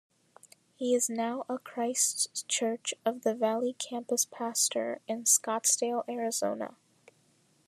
He is now a Christ's Church of the Valley campus pastor in Scottsdale, Arizona.